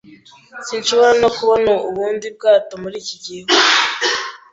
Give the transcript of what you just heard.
Sinshobora no kubona ubundi bwato muri iki gihu.